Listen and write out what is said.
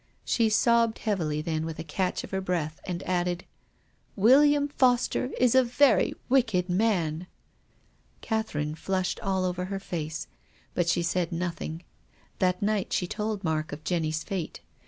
She sobbed heavily, then with a catch of her breath, she added, " William Foster is a very wicked man." Catherine (lushed all over her face. But she said nothing. That night she told Mark of Jenny's fate.